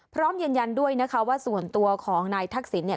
พร้อมยืนยันด้วยนะคะว่าส่วนตัวของนายทักษิณเนี่ย